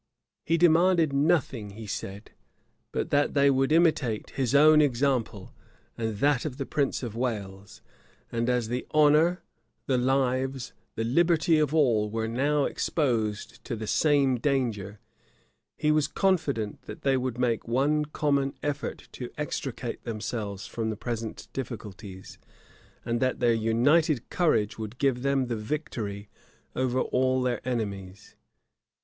He demanded nothing, he said, but that they would imitate his own example, and that of the prince of Wales: and as the honor, the lives, the liberties of all, were now exposed to the same danger, he was confident that they would make one common effort to extricate themselves from the present difficulties, and that their united courage would give them the victory over all their enemies.